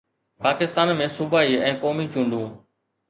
پاڪستان ۾ صوبائي ۽ قومي چونڊون